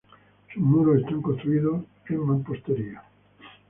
Sus muros están construidos de mampostería.